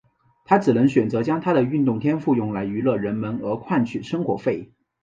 他只能选择将他的运动天赋用来娱乐人们而换取生活费。